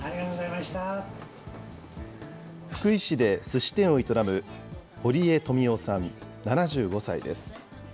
福井市ですし店を営む堀江富夫さん７５歳です。